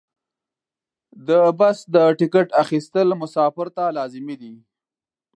د بس د ټکټ اخیستل مسافر ته لازمي دي.